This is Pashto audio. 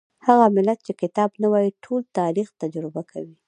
هغه ملت چې کتاب نه وايي ټول تاریخ تجربه کوي.